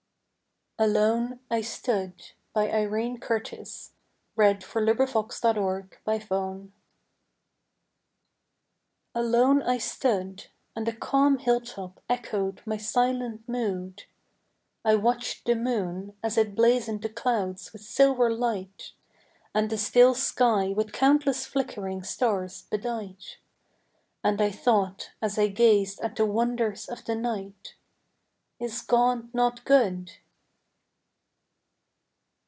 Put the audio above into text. rt where tears have been shed. 42 Miscellaneous Poems ALONE I STOOD A lone i stood, And the calm hill top echoed my silent mood; bM watched the moon as it 'blazoned the clouds with silver light, And the still sky with countless flickering stars bedight; And I thought as I gazed at the wonders of the night, "Is God not good?"